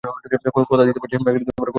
কথা দিতে পারছি না।